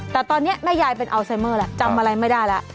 แต่ตอนนี้แม่ยายเป็นอัลไซเมอร์แล้วจำอะไรไม่ได้แล้ว